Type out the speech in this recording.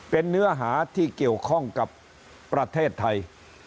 เป็นเนื้อหาที่เกี่ยวข้องกับประเทศไทย